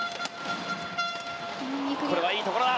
これはいいところだ。